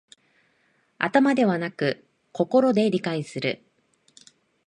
頭ではなく心で理解する